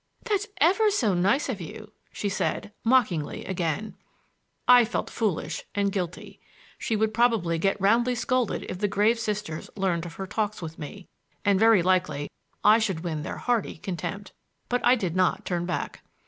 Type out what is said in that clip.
"That's ever so nice of you," she said, mockingly again. I felt foolish and guilty. She would probably get roundly scolded if the grave Sisters learned of her talks with me, and very likely I should win their hearty contempt. But I did not turn back.